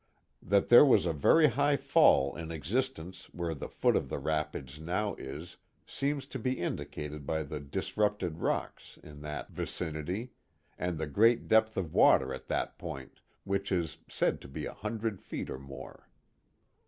That there was a very high fall in existence where the foot of the rapids now is, seems to be indicated by the disrupted rocks in that 373 The Mohawk Valley ^^H vicinity, and the great depth of water at that point, which is said to be a hundred feet or more.